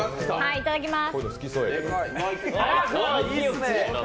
いただきます。